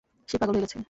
সে পাগল হয়ে গেছে।